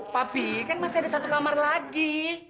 tapi kan masih ada satu kamar lagi